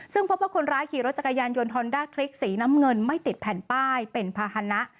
ซึ่งพบว่าคนร้ายขี่รถจักรยานยนต์ฮอนด้าคลิกสีน้ำเงินไม่ติดแผ่นป้ายเป็นภาษณะ